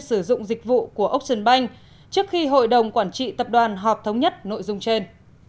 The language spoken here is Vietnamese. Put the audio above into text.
sử dụng dịch vụ của ốc sơn banh trước khi hội đồng quản trị tập đoàn họp thống nhất nội dung trên